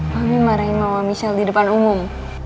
mami marahi mama michelle di depan umum